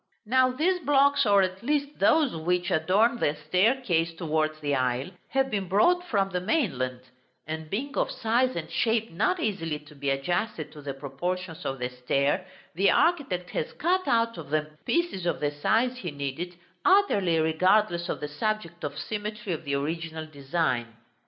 Now these blocks, or at least those which adorn the staircase towards the aisle, have been brought from the mainland; and, being of size and shape not easily to be adjusted to the proportions of the stair, the architect has cut out of them pieces of the size he needed, utterly regardless of the subject or symmetry of the original design.